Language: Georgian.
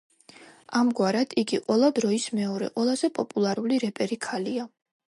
ამგვარად, იგი ყველა დროის მეორე ყველაზე პოპულარული რეპერი ქალია.